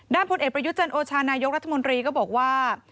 ด้านผู้เอกประยุทธ์จนโอชานายกรัฐมนตรีก็บอกว่า